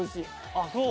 あっそう。